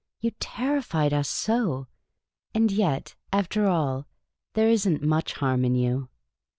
You terrified us so. And yet, after all, there is n't much harm in you."